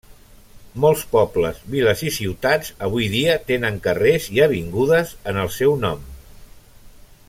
Molts pobles, viles i ciutats avui dia, tenen carrers i avingudes en el seu nom.